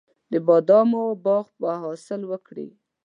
د بادامو باغ به حاصل وکړي.